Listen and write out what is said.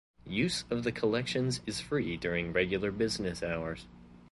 Use of the collections is free during regular business hours.